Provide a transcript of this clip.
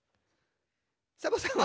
サボさん。